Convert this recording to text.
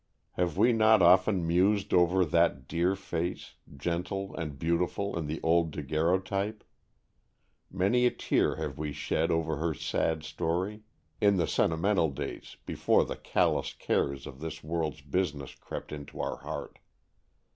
Have we not often mused over that dear face, gentle and beautiful in the old daguerreotype! Many a tear have we shed over her sad story in the sentimental days, before the callous cares of this world's business crept into our heart!